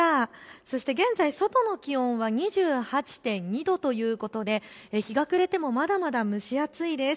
そして現在、外の気温は２８．２度ということで日が暮れてもまだまだ蒸し暑いです。